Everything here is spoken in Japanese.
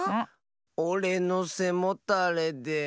「おれのせもたれで」。